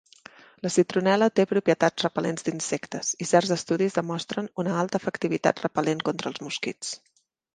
La citronel·la té propietats repel·lents d'insectes i certs estudis demostren una alta efectivitat repel·lent contra els mosquits.